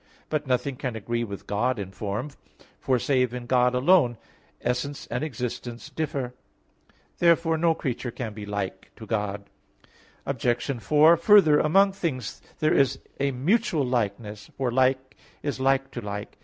But nothing can agree with God in form; for, save in God alone, essence and existence differ. Therefore no creature can be like to God. Obj. 4: Further, among like things there is mutual likeness; for like is like to like.